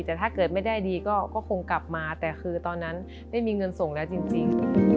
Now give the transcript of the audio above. แต่ถ้าเกิดไม่ได้ดีก็คงกลับมาแต่คือตอนนั้นได้มีเงินส่งแล้วจริง